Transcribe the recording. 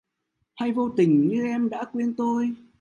Hay vô tình như em đã quên tôi?